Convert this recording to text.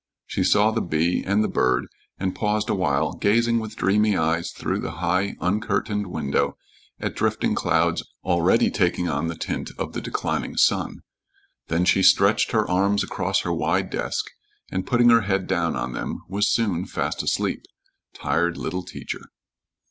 She saw the bee and the bird and paused awhile, gazing with dreamy eyes through the high, uncurtained window at drifting clouds already taking on the tint of the declining sun; then she stretched her arms across her wide desk, and putting her head down on them, was soon fast asleep. Tired little Teacher!